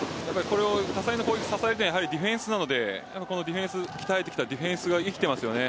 多彩な攻撃を支えるのはディフェンスなので鍛えてきたディフェンスが生きてきていますね。